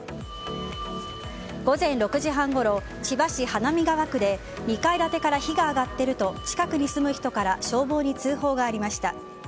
午前６時半ごろ千葉市花見川区で２階建てから火が上がっていると近くに住む人から消防に通報がありました。